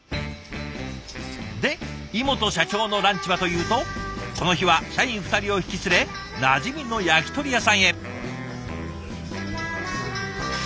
で井本社長のランチはというとこの日は社員２人を引き連れなじみの焼き鳥屋さんへ。